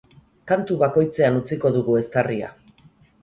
Kantu bakoitzean utziko dugu eztarria.